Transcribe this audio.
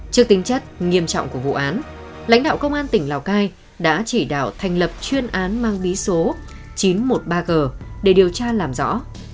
trước tính chất nghiêm trọng của vụ án lãnh đạo công an tỉnh lào cai đã chỉ đạo thành lập chuyên án mang bí số chín trăm một mươi ba g để điều tra làm rõ